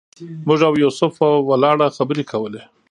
موږ او یوسف په ولاړه خبرې کولې.